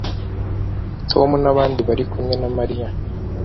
Tom nabandi bari kumwe na Mariya